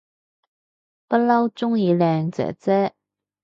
不嬲鍾意靚姐姐